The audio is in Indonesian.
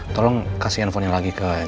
tolong kasih handphonenya lagi ke